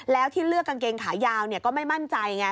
แล้วที่เลือกกางเกงขายาวก็ไม่มั่นใจไง